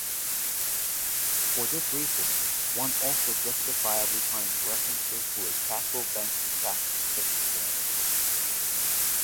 For this reason one also justifiably finds references to a Caswell-Banks-Zaks fixed point.